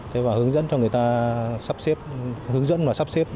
thế và hướng dẫn cho người ta sắp xếp hướng dẫn và sắp xếp